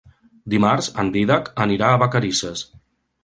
Dimarts en Dídac anirà a Vacarisses.